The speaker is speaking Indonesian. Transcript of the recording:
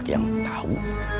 orang yang tau